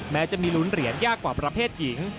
แม้จะมีลุ้นเหรียญยากกว่าประเภทหญิง